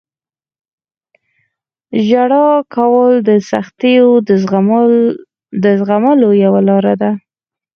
• ژړا کول د سختیو د زغملو یوه لاره ده.